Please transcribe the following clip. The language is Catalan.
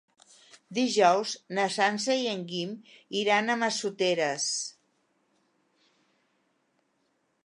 Dijous na Sança i en Guim iran a Massoteres.